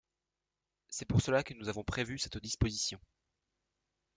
C’est pour cela que nous avons prévu cette disposition.